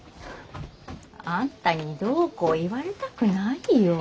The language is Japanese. あんたにどうこう言われたくないよ。